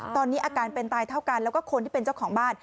ตอนนี้อาการเป็นตายเท่ากันแล้วก็คนที่เป็นเจ้าของบ้าน